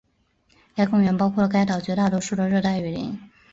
该公园包括了该岛绝大多数的热带雨林。